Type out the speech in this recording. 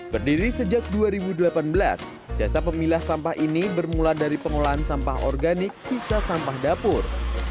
berdiri sejak dua ribu delapan belas jasa pemilah sampah ini bermula dari pengolahan sampah organik sisa sampah dapur